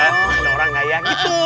nggak orang nggak ya gitu